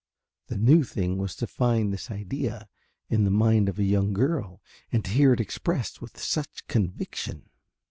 The new thing was to find this idea in the mind of a young girl and to hear it expressed with such conviction.